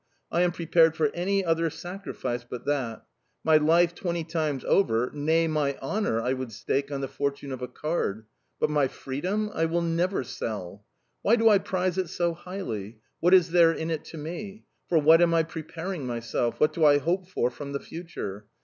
I am prepared for any other sacrifice but that; my life twenty times over, nay, my honour I would stake on the fortune of a card... but my freedom I will never sell. Why do I prize it so highly? What is there in it to me? For what am I preparing myself? What do I hope for from the future?...